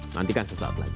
nantikan sesaat lagi